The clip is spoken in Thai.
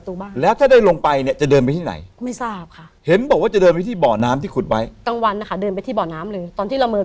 แต่สิ่งนึงที่ตัวเองได้รับเอฟเฟค